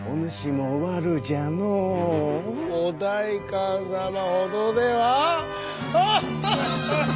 お代官様ほどでは！